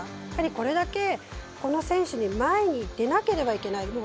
やはり、これだけこの選手に前に出なければいけない。